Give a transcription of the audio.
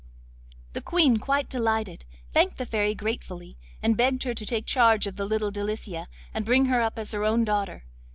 The Queen, quite delighted, thanked the Fairy gratefully, and begged her to take charge of the little Delicia and bring her up as her own daughter.